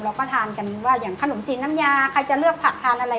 เราก็ทานกันว่าอย่างขนมจีนน้ำยาใครจะเลือกผักทานอะไร